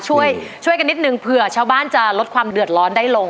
ช่วยช่วยกันนิดนึงเผื่อชาวบ้านจะลดความเดือดร้อนได้ลง